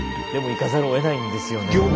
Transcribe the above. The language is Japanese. でも行かざるをえないんですよね。